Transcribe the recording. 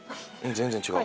全然違う。